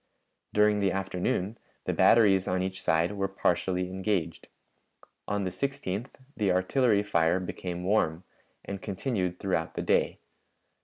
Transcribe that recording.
During the afternoon the batteries on each side were partially engaged. On the 16th the artillery fire became warm, and continued throughout the day.